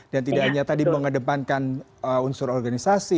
dan tidak hanya tadi mengedepankan unsur organisasi